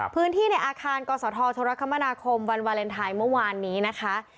ในอาคารกศธชรคมนาคมวันวาเลนไทยเมื่อวานนี้นะคะ